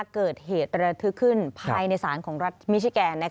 เกิดเหตุระทึกขึ้นภายในศาลของรัฐมิชิแกน